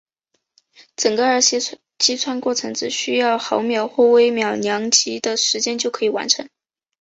整个二次击穿过程只需要毫秒或微秒量级的时间就可以完成。